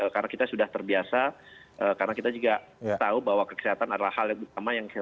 karena kita sudah terbiasa karena kita juga tahu bahwa kesehatan adalah hal yang pertama yang harus diperbolehkan